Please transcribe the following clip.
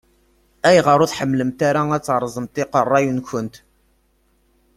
Ayɣer ur tḥemmlemt ara ad teṛṛẓemt iqeṛṛa-nkent?